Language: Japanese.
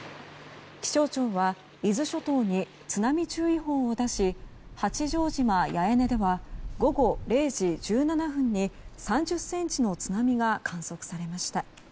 気象庁は伊豆諸島に津波注意報を出し八丈島八重根では午後０時１７分に３０ｃｍの津波が観測されました。